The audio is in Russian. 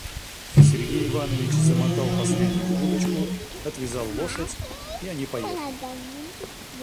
Сергей Иванович замотал последнюю удочку, отвязал лошадь, и они поехали.